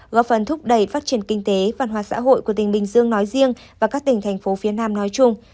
góp phần thúc đẩy phát triển kinh tế văn hóa xã hội của tỉnh bình dương nói riêng và các tỉnh thành phố phía nam nói chung